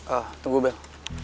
ah tunggu bel